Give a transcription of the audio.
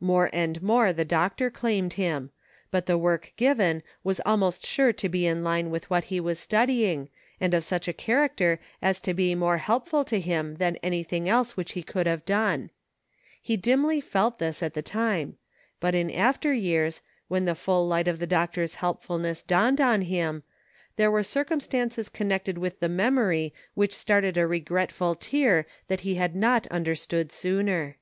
More and more the doctor claimed him ; but the work given was almost sure to be in line with what he was studying, and of such a character as to be more helpful to him than anything else which he could have done ; he dimly felt this at the time, but in after years, when the full light of the doctor's helpfulness dawned on him, there were circumstances connected with the memory which started a regretful tear that he had not understood sooner.